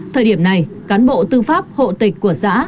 thời điểm này cán bộ tư pháp hộ tịch của xã